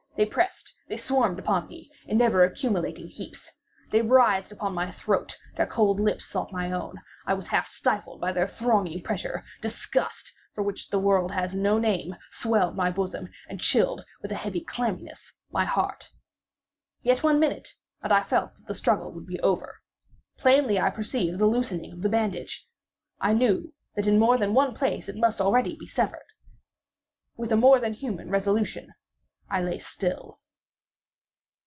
They pressed—they swarmed upon me in ever accumulating heaps. They writhed upon my throat; their cold lips sought my own; I was half stifled by their thronging pressure; disgust, for which the world has no name, swelled my bosom, and chilled, with a heavy clamminess, my heart. Yet one minute, and I felt that the struggle would be over. Plainly I perceived the loosening of the bandage. I knew that in more than one place it must be already severed. With a more than human resolution I lay still.